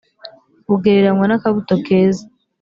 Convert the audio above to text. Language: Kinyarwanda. bugereranywa n akabuto keza